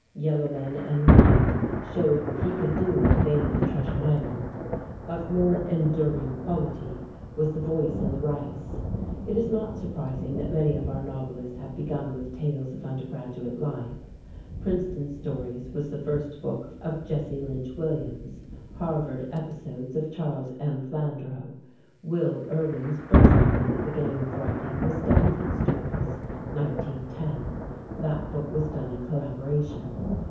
"Yellow Men and White" showed what he could do in the vein of "Treasure Island." Of more enduring quality was "The Voice in the Rice." It is not surprising that many of our novelists have begun with tales of undergraduate life. "Princeton Stories" was the first book of Jesse Lynch Williams. "Harvard Episodes" of Charles M. Flandrau. Will Irwin's first fling at the game of writing was "Stanford Stories" (1910). That book was done in collaboration.